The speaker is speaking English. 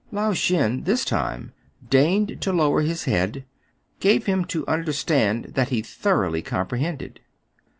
Lao Shen, this time deigning to lower his head, gave him to understand that he thoroughly com prehended.